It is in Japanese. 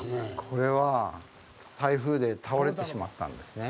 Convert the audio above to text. これは、台風で倒れてしまったんですね。